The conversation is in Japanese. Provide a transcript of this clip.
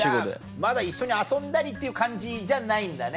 まだ一緒に遊んだりっていう感じじゃないんだね。